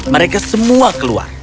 mereka semua keluar